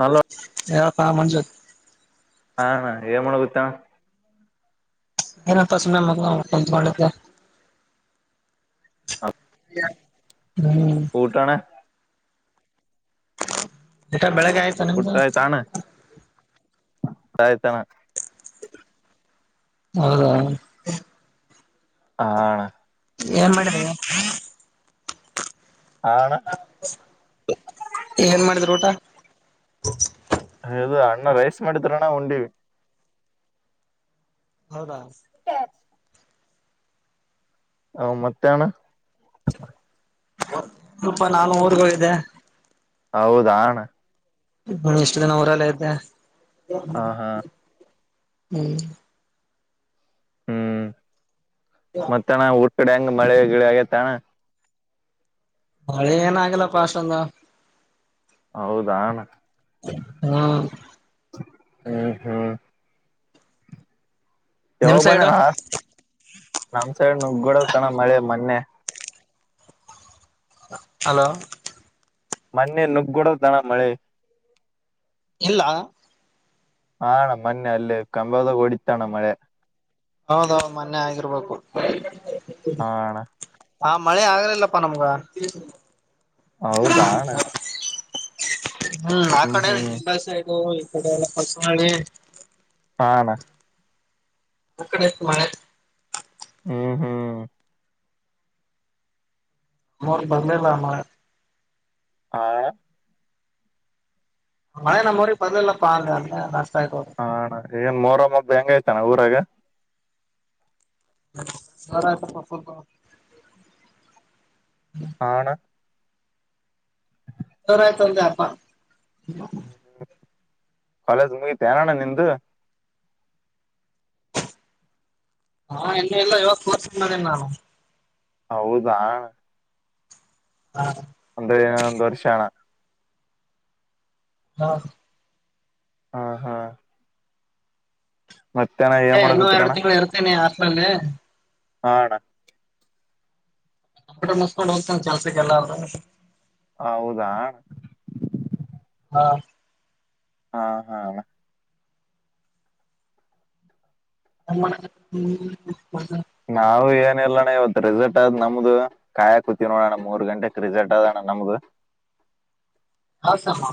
hello ಹೇಳಪ್ಪ ಮಂಜು ಹಾ ಹಾ ಏ ಮಾಡಣ ಗುತ್ತಾ ಏನಪ್ಪ ಸುಮ್ಮ ಮೊಂಡೆ ಹ್ಮ್ ಕಊಟಣ ಎ ಬಳಗ್ಗೆಯ ಪಟ್ಟಾಯ ತಾನ ಹಟ್ಟಾಯತಾನ ಹೌದಾ ಹ ಅಣ್ಣ ಏನ್ ಮಾಡಿದ ಆಣ ಏನ್ ಮಾಡಿದ್ರು ಊಟ ಹೌದು ಅಣ್ಣ ರೈಸ್ ಮಾಡಿದರಣ ಉಂಡಿವಿ ಹೌದಾ [unintelligible] ಹ ಮತ್ತಣ ಅಪ ನಾನ ರ್ಗ ಇದೆ ಹೌದಾ ಅಣ್ಣ ನ ಇಷ್ಟು ದಿನ ಊರೆಲ್ಲ ಇದ್ದೆ ಹ ಹಾ ಹ್ಮ್ ಮತ್ತ ಅಣ ಊಟ್ ಕಡೆ ಹಂಗ್ ಮಳೆ ಗಿಡ ಆಗೇತ್ತ ಅಣ್ಣ ಮಳೆ ಏನ ಆಗಲ್ಲಪ್ಪಾಸ್ಂದು ಹೌದಣ ಹ್ಮ್ ಹ್ಮ್ ಹ್ಮ್ ನಿಮ್ ಯಾವಾಗ ಸೈಡ್ ಬಂದನಾ ನಮ್ ಸೈಡ್ ನಗ್ ಗೂಡತನ ಮಳೆ ಮೊನ್ನೆ ಹಲೋ ಮೊ ನುಗ್ಗಿಡೋ ದಣ ಮಳೆ ಇಲ್ಲ ಹಣ ಮೊನ್ನೆ ಅಲ್ಲಿ ಕಂಬದಾಗ ಹೊಡಿತಣ್ಣ ಮಳೆ ಹೌದೌ ಮೊನ್ನೆ ಆಗಿರ್ಬೇಕು ಹಣ ಹ ಮಳೆ ಆಗ್ಲಿಲ್ಲಪ್ಪಾ ನಮ್ಗ ಹೌದಣ ಹ್ಮ್ ಆ ಕಡೆಲ್ಲ ಕೆಲಸ ಇದು ಈ ಕಡೆ ಎಲ್ಲ ಸ ಮಾಡಿ ಹಣ ಹ ಕಡೆು ಮಾಡ ಹ್ಮ್ ಹ್ಮ್ ನೋರ್ ಬರ್ಲಿಲ್ಲಮ್ಮ ಹಾ ಮಳೆ ನಮ್ಮಗೆ ಪದಲ್ಲಪ್ಪ ಅ ನಷ್ಟತ ಆಯ್ತದು ಹ ಏನ್ ಮೋರಮ್ಮೊಬ್ಬ ಹೆಂಗ ಆಯ್ತಾನ ಊರಾಗ ನರಪ್ಪಫುಲ್ಪ ಹಣ ತರ ಆಯ್ತಂದದ ಅಪ್ಪ ಕಾಲೇಜ್ ಮುಗಿತೆ ಅನೋಣ್ಣ ನಿದು ಹಾ ಇಲ್ಲ ಇಲ್ಲ ಇವಾಗ ಕೋರ್ಸ ಮನ್ ನಾನು ಹೌದಾ ಹಾ ಒಂದ್ರನ ಒಂದಂದು ವರ್ಷ ಹಣ ಹಾ ಹಾ ಹಾ ಮತ್ತೆ ಏ ಇನ್ನುೂ ಎರಡು ತಿಂಗಳು ಇರ್ತೇನೆ ಆಸ್ಮೇಲ್ಲಿ ಹಣ ಕ ಮ ಮುಸ್ಕೊಂಡ್ ಹೋಗ್ತ ಕೆಲ್ಸಕ್ಕೆಲ್ಲ್ರ ಹೌದಾ ಹಾ ಹಾ ಹಾ ಹ ಹ್ಮ್ [unintelligible] ನಾವವು ಏನಲ್ಲಣ್ಣ ಇವತ್ ರೆಸಲ್ಟ್ ಆದ್ ನಮ್ದು ಕಾಯಾ ಕೂತಿವಿ ನೋಡೋಣ್ಣ ಮೂರ್ ಗಂಟೆಕ್ ರಿಸಲ್ಟ್ ಅದೋಣ ನಮ್ಗ ಹಾ ಸಾಮಾ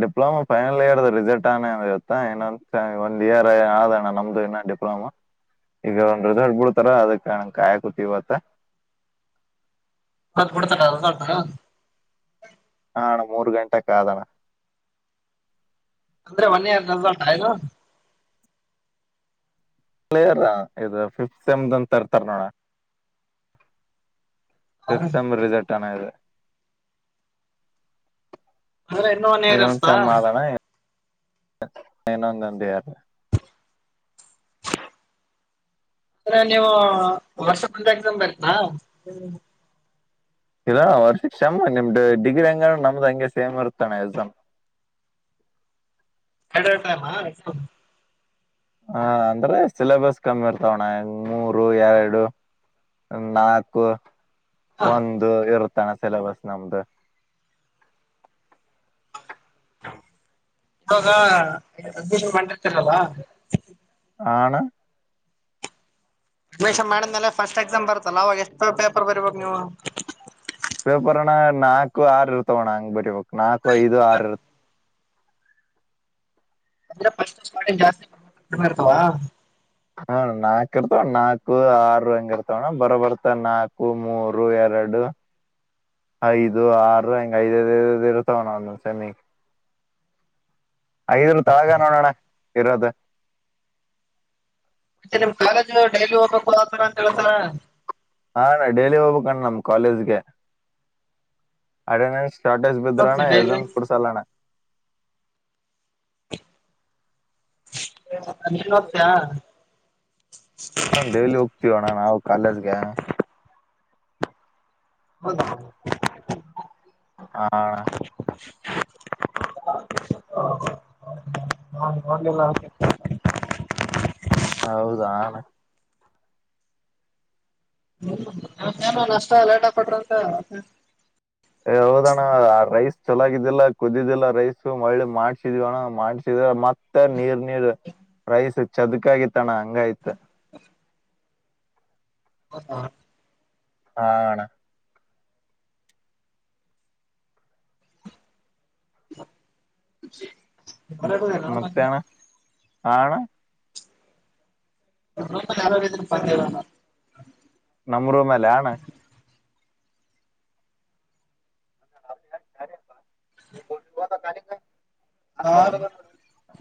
ಡಿಪ್ಲೋಮಾ ಫೈನಲ್ ಇಯರ್ದ ರಿಸಲ್ಟ್ ಅ ಇತ್ತಾ ಇ ಒಂದ ಇಯರ್ ಆದಣ ನಮ್ದು ಇನ್ನ ಈಗ ಒಂದ್ ರಿಸಲ್ಟ್ ಬಿಡ್ತಾರ ಅದಣ ಕಾಯಕೂತಿವತ್ತ ಕತ್ ಬಿಡ್ತ [unintelligible] ಹಣ ಮೂರ್ ಗಂಟೆ ಕ ಆದಣ ಅಂದ್ರೆ ಮನ್ನಿ ನಲಣ ಆ [unintelligible] ಪ್ಲೇಯರ್ ಇದು ಫಿಫತ್ ಸೆಮ್ ಅಂತ ಇರ್ತಾರ ನೋಡ ಫಿಫ್ಟಿ ಸೇಮ್ ಅಂದ್ರೆ ರಿಸಲ್ಟ್ ಅಣ್ಣ ಇದು ಹ ಇನ್ನೊಂದು ಸ ಮಾದಣ ಇನ್ನೊಂದಂದಂದ ಯಾರ ಅ್ರ ನೀವು ವರ್ಷ ಬಂದ ಎಕ್ಸಾಮ್ ಬರ್ತನಾ ಇಲ್ಲ ವರ್ಷ ಕ್ಷ ನಿಮ್ದು ಡಿಗ್ರಿ ಹಂಗಣ ನಮ್ದ್ ಹಂಗೆ ಸೇಮ್ ಇರ್ತಾನೆ ಎಸ್ ಎಡತ ಹ ಅಂದ್ರೆ ಸಿಲೆಬಸ್ ಕಮ್ಮಿ ಇರ್ತಾವಣ್ಣ ಮೂರು ಎರಡು ನಾಲ್ಕು ಒಂದು ಇರುತ್ತಾನ ಸಿಲೆಬಸ್ ನಮ್ದು ಇವಾಗ ಅಡ್ಮಿಷನ್ ಮಾಡಿರ್ತಿರಲ್ಲ ಆಣ ಅಷನ್ ಮಾಡಿದ್ಮೇಲೆ ಫಸ್ಟ್ ಎಕ್ಸಾಮ್ ಬರ್ತ್ತಲ್ಲ ಅವಾಗ ಎಷ್ಟು ಪೇಪರ್ ಬರೀಬೇಕು ನೀವು ಪೇಪರ್ಣ್ಣ ನಾಲ್ಕು ಆರು ಇರ್ತವೋಣ್ಣ ಹಂಗ್ ಬರಿಬೇಕಕ್ ನಾಲ್ಕು ಐದು ಆರ್ ಇರು ಅಂದ್ರೆ ಜಾಸ್ತಿ ಇರ್ತವಾ ಹಾ ನಾಕು ಇರ್ತಾವ ನಾಕು ಆರು ಹಂಗ ಇರ್ತವಣ್ಣ ಬರ ಬರ್ತ ನಾಕು ಮೂರು ಎರಡು ಐದು ಆರು ಹಂಗಗೆ ಐದದ ಇರುತ್ತಾವಣ ಒಂದೊ ಸೆಮಿ ಐದನ್ ತಾಗ ನೋಡೋಣ ಇರೋದು ಮತ್ತೆ ನಿಮ್ ಕಾಲೇಜು ಡೈಲಿ ಹೋಗ್ಬೇಕು ಆತರ ಅಂತ ಹೇಳೇಳ್ಸಾರ ಹಾಣ ಡೈಲಿ ಹೋಗ್ಬೇಕುಣ್ ನಮ್ ಕಾಲೇಜ್ಗೆ ಅಟೆಂಡೆನ್ ಶಾರ್ಟೇಜ್ ಹೋಗ್ತಿ ಬಿದ್ರೋಣ್ಣ ಡೈಲಿ ಎಕ್ಸಾಮ್ ಕುಡ್ಸಲ್ಲಣ ಅತ್ತ ಹಾ ಡೈಲಿ ಹೋಗ್ತೀವೋಣ್ಣ ನಾವು ಕಾಲೇಜ್ಗೆ ಹ ಹಾ ನಲ್ಲ ಹೌದ ಹ್ಮ ಏನು ಅಷ್ಟ ಲೇಟ್ ಆ ಕೊಟ್ರಂತೆಂತ ಹೌದಣ್ಣ ರೈಸ್ ಚಲಾಗಿದ್ದಿಲ್ಲ ಕುದಿದ್ದಿಲ್ಲ ರೈಸ್ ಮಳ್ಳಿ ಮಾಡ್ಸಿದ್ವಿ ಅಣ್ಣ ಮಾಡ್ಸಿದ ಮತ್ತ ಇತ್ತ ನೀರ್ ನೀರ್ ರೈಸ್ ಚದಕಾಗಿ ತಣ ಹಂಗಯ್ತ ಹ ಹಣ [inaudible] ಬರೋದಿಲ್ಲ ಹ್ಮ್ಮ್ ಮಾತೆ ರೂಮಲ್ಲಿ ಅಣ್ಣ ಹಾ ಅಣ್ಣ [unintelligible] ನಮ್ರೂ ಮೇಲೆ ಅಣ್ಣ [unintelligible] ಹಾ [unintelligible]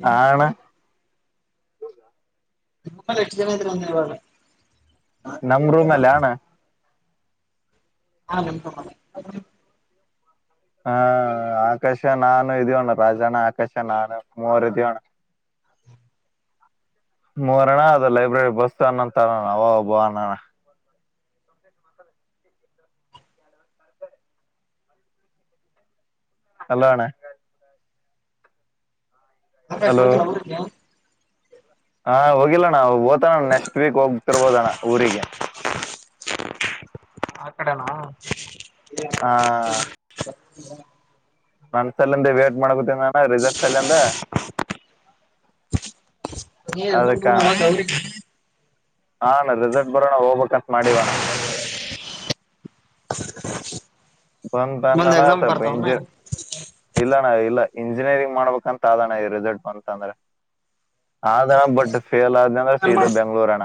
ಹಾ ಅಣ್ಣ [unintelligible] ಎಷ್ಟು ಜನ ಇವಾಗ ನಮ್ಮ ರೂಮ್ ಅಲ್ಲ ಅಣ್ಣ ಹಾ ನಿಮ್ಮ [unintelligible] ಹಾ ಆಕಾಶ ನಾನು ಇದ್ಯವಣ್ಣ ರಾಜಣ್ಣ ಆಕಾಶ ನಾನು ಮೂವರ್ ಇದೀವಣ್ಣ [unintelligible] ಮೂರಣ್ಣ ಅದು ಲೈಬ್ರರಿ ಬಸ್ತ ಅನ್ನಂತ ಅವ ಒಬ್ಬ ಅಣ್ಣ [unintelligible] ಮಾತಾಡಿ [inaudible] [inaudible] ಹೆಲೋ ಅಣ್ಣ ಹಲೋ [unintelligible] ಹಾ ಹೋಗಿಲ್ಲಣ ಓತಣ್ಣ ನೆಕ್ಸ್ಟ್ ವೀಕ್ ಹೋಗ್ತಿರ್ಬೋದಣ ಊರಿಗೆ ಹಾ ತರನಾ ಹಾ ನನ್ಸಲ್ಲಂದ ವೇಟ್ ಮಾಡ್ಕೊತನ ನಾನ ರಿಸಲ್ಟ್ ಸಲ್ಂದ [unintelligible] ಹಾ ಅಣ್ಣ ರೆಸರ್ಟ್ ಬರೋಣ ಹೋಗ್ಬೇಕಕ್ಂತ ಮಾಡಿವಿ ಅಣ್ಣ [inaudible] ಬಂತಂದ ಬಂದ್ ಅಣ್ಣ ಎಕ್ಸಾಮ್ ಸಲ್ಪ ಬರ್ತಾವನ [unintelligible] ಇಲ್ಲಣ್ಣ ಇಲ್ಲ ಇಂಜಿನಿಯರಿಂಗ್ ಮಾಡ್ಬೇಕಂತ ಅಣ್ಣ ಈ ರಿಸಲ್ಟ್ ಬಂತ ಅಂದ್ರೆ ಆದ ಅಣ ಬಟ್ ಫೇಲ್ ಆದ ಅಂದ್ರೆ ಸೀದ ಬೆಂಗ್ಳೂರಣ್ಣ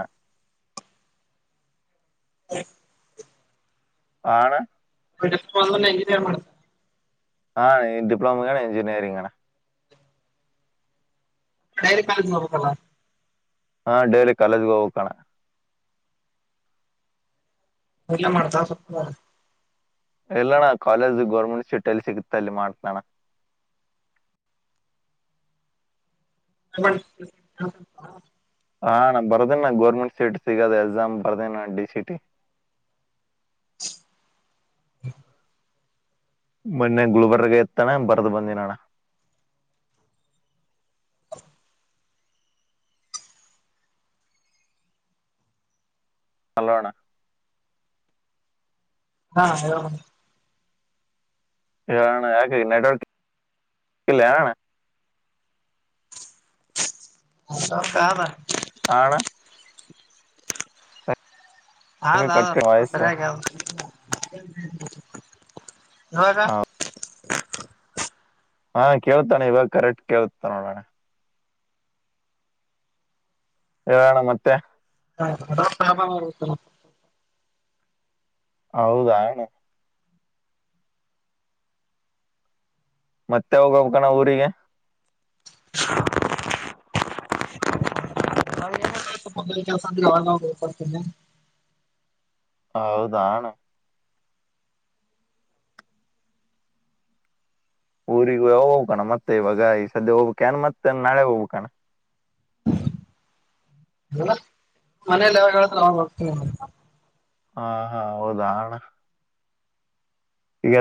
[unintelligible] ಹಾ ಅಣ್ಣ [unintelligible] ಹಾ ನೀ ಡಿಪ್ಲೋಮಏ್ಣ ಇಂಜಿನಿಯರಿಂಗ್ಣ ಡೈಲಿ ಕಾಲೇಜ್ ನೋಡಬೇಕು ಅಲಾ ಹಾ ಡೈಲಿ ಕಾಲೇಜ್ಗೆ ಹೋಗ ಬೇಕು ಅಣ್ಣ [unintelligible] [inaudible] ಎಲ್ಲಣ್ಣ ಕಾಲೇಜು ಗೋರ್ಮೆಂಟ್ ಶೂಟ್ ಎಲ್ಲಿ ಸಿಗುತ್ತ ಅಲ್ಲಿ ಮಾಡ್ತನಣ್ಣ [unintelligible] ಹಾ ಅಣ್ಣ ಬರ್ದೇನ ಗೋರ್ಮೆಂಟ್ ಸೀಟ್ ಸಿಗೋದ ಎಕ್ಸಾಮ್ ಬರ್ದೇನ ಡಿ ಸಿ ಟಿ [inaudible] ಮೊನ್ನೆ ಗುಲ್ಬರ್ಗಗೆ ಇತು ಅಣ್ಣ ಬರ್ದ್ ಬಂದಿನಣ್ಣ ಹೆಲೋ ಅಣ್ಣ ಹಾ ಹೇಳು ಅಣ್ಣ ಹೇಳು ಅಣ್ಣ ಯಾಕ ನೆಟ್ವರ್ಕ್ ಇಲ್ಲ ಅಣ್ಣ [unintelligible] ಆದ ಹಾ ಅಣ್ಣ ಯಾಕೆ ಹೌದೌ ಕಟ್ ಕಟ್ ಸಲ್ಪ ವಾಯ್ಸ್ ಸರಿಯಾಗಿ [unintelligible] ಇವಾಗ ಹಾ ಕೇಳ್ತಾ ಅಣ್ಣ ಇವಾಗ ಕರೆಕ್ಟ್ ಕೇಳ್ತಾ ನೋಡು ಅಣ್ಣ ಹೇಳೋಣ ಮತ್ತೆ ಹ ಪ್ರಾಭ ಹೌದೆ ಮತ್ತೆ ಹೋಗ ಕಣ ಊರಿಗೆ ಹ [inaudible] ಕೆಡ್ತನೆ ಹೌದಾಣ ಊರಿಗ ಹೋಗ್ಕಣ ಮತ್ತೆ ಇವಾಗ ಈ ಸದ್ಯ ಹೋಗ್ಬೇಕಕನ್ ಮತ್ತೆ ನಾಳೆ ಹೋಗ್ಬೇಕಕಣ್ಣ ಅಲ್ಲ ಮನೇಲಿ ಯಾವಾಗ ಹೇಳತ್ರಾಗರ್ತ ಹಾ ಹಾ ಹೌದಾ ಹಣ್ಣ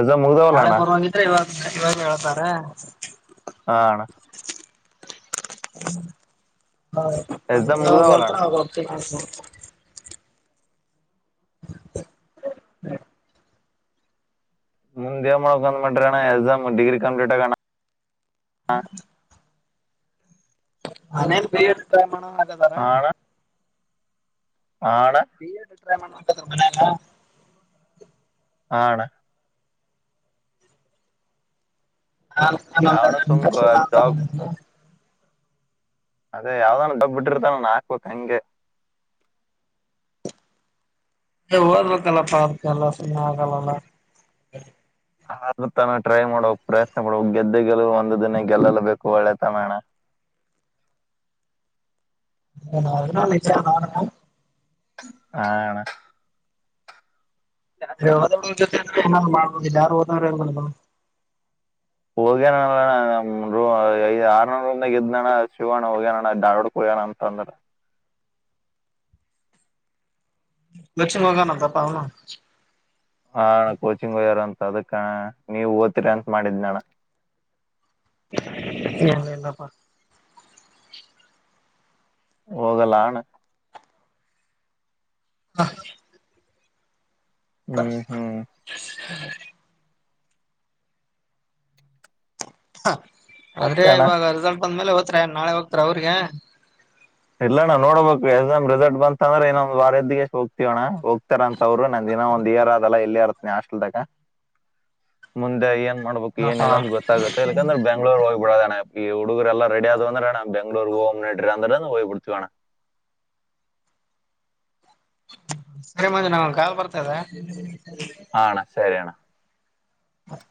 ದ ಮುದ ನಾಳೆ ಬರ್ವಂಗಿದ್ರೆ ಇವಾಗ ಇವಾಗ ಹೇಳ್ತಾರೆ ಹಣ ಎಕ್ಸಾಮ್ ಮುಗ್ದವಲ್ಲ ಹತ್ರ ಅಣ್ಣ ಹ ಚ ಹ ಹ್ಮ ಮುಂದ್ವ್ ಮಾಡಕ ಅಂದ್ ಮಾಡ್ರಣ್ಣ ಎಕ್ಸ್ ಡಿಗ್ರಿ ಕಂಪ್ಲಟ್ ಆಗಣ ಹ ನಾನೇನ್ ಬೇಮ ಮಾಡ ಹಾಗದಾರ ಆಣ ಬ ಟ್ರೈ ಮಾಡ್ರ ಮನಲ್ಲ ಆಣ ಯಾವಣ ಸುಮ್ ಆಕ್ಷ ಮಾತ್ರ ಜಾಬ್ ಅದೇ ಯಾವ್ದಾದೋ ಡಬ್ಬ ಬಿಟ್ಟಿರ್ತ ನಾನನ್ ಹಾಕ್ಬೇಕು ಹಂಗೆ ಓದ್ಬೇಕಲ್ಲ ಪಾರ್ಕ್ ಎಲ್ಲ ಸುಮ್ಮನೆ ಆಗಲ್ಲಲ್ಲ ಆದ ತಾನ ಟ್ರೈ ಮಾಡೋಕ್ ಪ್ರಯತ್ನ ಪಡುವ ದ್ದ ಗೆಲ್ಲುವ ಒಂದು ದಿನ ಗೆಲ್ಲಲುಬೇಕು ಒಳ್ಳೆ ತನಣ ಹ ನ ನ ಹಣ ದ ಜೊತೆ ಮಾಡಬುದುಿಲ್ಲ ಯಾರು ಹೋದ್ರ ಮಾಡ [unintelligible] ಹೋಗ್ಯನಣಣ್ಣ ನ ಐದ್ ಆರ್ನೂಂದಾಗ ಇದ್ದನಣ್ಣ ಶಿವಣ್ಣ ಹೋಗ್ಯನಣ್ಣ ಧಾರವಾಡ ಹಯನ ಅಂತ ಅಂದ್ರ [unintelligible] ದಕ್ಷಿಣ ಮಗಾನ ತಪ್ಪಾವಣ [unintelligible] ಹಾಣ ಕೋಚಿಂಗ್ ಹೋಗ್ಯರ ಅಂತ ಅದಕ್ಕ ನೀವ್ ಓದ್ತಿರಿ ಅಂತ ಮಾಡಿದ್ ನಣ ಹಲ್ಲ ಬ [unintelligible] ಹೋಗಲ್ಲ ಹಣ ಹಾ ಬ ಹ್ಮ್ ಹ್ಮ್ [unintelligible] ಅಂದ್ರೆ ಮತ್ತೆ ಅಣ್ಣ ಇವಾಗ ರಿಸಲ್ಟ್ ಬಂದ್ಮೇಲೆ ಹಓದ್ತ್ರ ನಾಳೆ ಹೋಗ್ತಾರ ಅವ್ರಿಗೆ [unintelligible] ಇಲ್ಲಣ್ಣ ನೋಡ್ಬೇಕು ಎಕ್ಸಾಮ್ ರಿಸಲ್ಟ್ ಬಂತ ಅಂದ್ರೆ ಇನ್ನೊಂದ ವಾರದ್ದಿಗೆಷ್ಟ ಹೋಗ್ತವೋಣ ಹೋಗ ಇತಾರ ಅಂತ ಅವ್ರು ನಂದ ದಿನ ಒಂದಂದು ಏರ್ ಅದಲ್ಲ ಇಲ್ಲಿ ಇರತ್ತೆ ಹಾಸ್ಟೆನಿಯಾಗ ಮುಂದೆ ಏನ್ ಮಾಡ್ಬೇಕಕ್ ಹ ಹಾ ಏನಿಲ್ಲ ಅಂತ ಗೊತ್ತಾಗೆಕಂದ್ರ ಬ್ಯಾಕ್ [unintelligible] ಬೆಂಗಳೂರು ಹೋಗ್ಬಡೋೆ ಈ ಹುಡುಗರು ಎಲ್ಲ ರೆಡಿ ಆದ ಅಂದ್ರೆ ಬೆಂಗಳೂರು ಹೋ ನಡಿ ಅ್ರ ಹೋಗ್ ಬಿಡ್ತವಾನೆ [unintelligible] ಸರಿ ಮಗ ನ ಕಾಲ್ ಬರ್ತದ ಹಾ ಅಣ್ಣ ಸರಿಯಣ್ಣ ಹಾರಿ